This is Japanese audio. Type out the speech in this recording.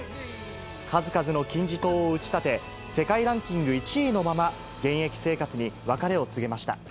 数々の金字塔を打ち立て、世界ランキング１位のまま、現役生活に別れを告げました。